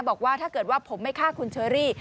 บอกว่าถ้าเกิดว่าผมไม่ฆ่าคุณเชอรี่